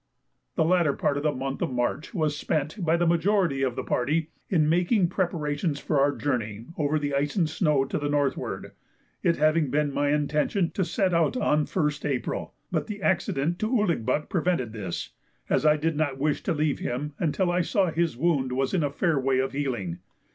The latter part of the month of March was spent, by the majority of the party, in making preparations for our journey, over the ice and snow, to the northward, it having been my intention to set out on the 1st April; but the accident to Ouligbuck prevented this, as I did not wish to leave him until I saw that his wound was in a fair way of healing.